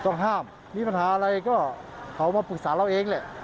ต้องห้ามมีปัญหาอะไรก็เขามาปรึกษาเราเองแหละ